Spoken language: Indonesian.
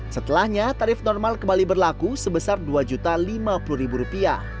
setelahnya tarif normal kembali berlaku sebesar rp dua lima puluh